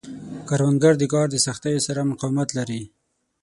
کروندګر د کار د سختیو سره مقاومت لري